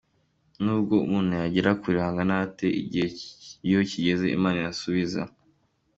N'ubwo umuntu yagera kure hangana hate, igihe iyo kigeze Imana irasubiza .